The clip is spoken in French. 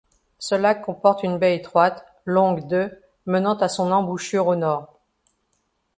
Ce lac comporte une baie étroite longue de menant à son embouchure au Nord.